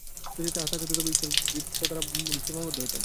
যদি তাহা থাকিত, তবে ঈশ্বর বিশ্ব দ্বারা সীমাবদ্ধ হইতেন।